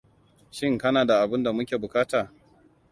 Shin kana da abun da muke buƙata?